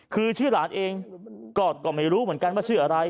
คือชื่อหลานเองก็ไม่รู้เหมือนกันว่าชื่ออะไร